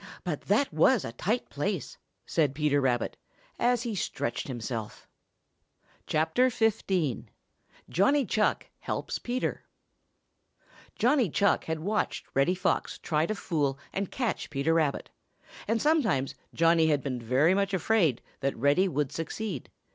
but that was a tight place," said Peter Rabbit, as he stretched himself. XV. JOHNNY CHUCK HELPS PETER |JOHNNY CHUCK had watched Reddy Fox try to fool and catch Peter Rabbit, and sometimes Johnny had been very much afraid that Reddy would succeed.